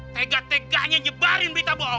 tegak teganya nyebarin berita bohong